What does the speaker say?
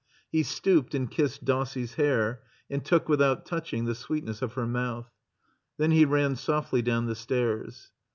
He stooped and kissed Dossie's hair, and took without touching the sweetness of her mouth. Then he ran softly down the stairs.